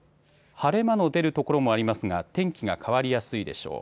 晴れ間の出る所もありますが天気が変わりやすいでしょう。